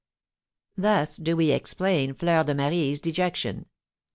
Thus do we explain Fleur de Marie's dejection.